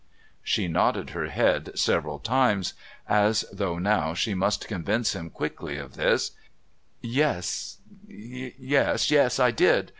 She nodded her head several times as though now she must convince him quickly of this "Yes, yes, yes. I did...